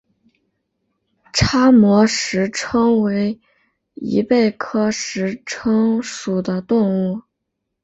叉膜石蛏为贻贝科石蛏属的动物。